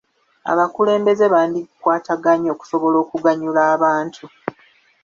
Abakulembeze bandikwataganye okusobola okuganyula abantu.